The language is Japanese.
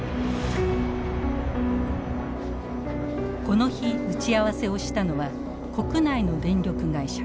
この日打ち合わせをしたのは国内の電力会社。